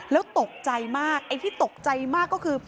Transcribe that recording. แล้วตกใจมากไอ้ที่ตกใจมากก็คือ